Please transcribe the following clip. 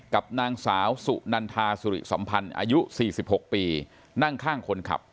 กับนางสาวสุนันทาสุริสัมพันธ์อายุ๔๖ปีนั่งข้างคนขับ